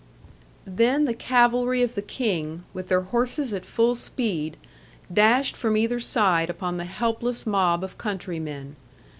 Then the cavalry of the King, with their horses at full speed, dashed from either side upon the helpless mob of countrymen.